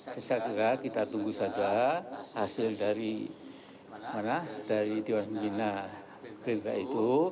saya kira kita tunggu saja hasil dari tiongkina itu